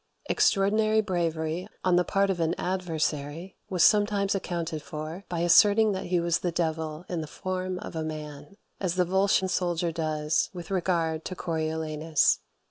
Extraordinary bravery on the part of an adversary was sometimes accounted for by asserting that he was the devil in the form of a man; as the Volscian soldier does with regard to Coriolanus.